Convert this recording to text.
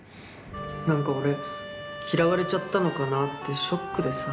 何か俺嫌われちゃったのかなってショックでさ。